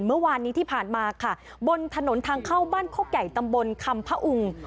เมื่อวานนี้ที่ผ่านมาค่ะบนถนนทางเข้าบ้านโคกใหญ่ตำบลคำพระอุง